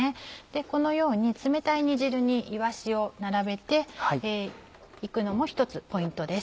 このように冷たい煮汁にいわしを並べて行くのも一つポイントです